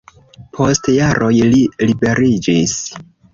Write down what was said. Post jaroj li liberiĝis.